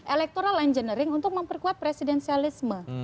electoral engineering untuk memperkuat presidensialisme